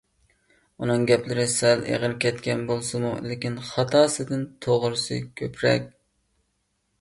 ئۇنىڭ گەپلىرى سەل ئېغىر كەتكەن بولسىمۇ، لېكىن خاتاسىدىن توغرىسى كۆپرەك.